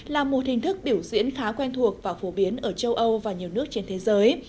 là một hình thức biểu diễn khá quen thuộc và phổ biến ở châu âu và nhiều nước trên thế giới